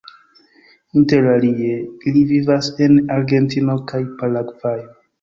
Inter alie ili vivas en Argentino kaj Paragvajo.